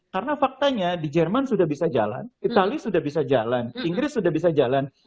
karena faktanya di jerman sudah bisa jalan itali sudah bisa jalan inggris sudah bisa jalan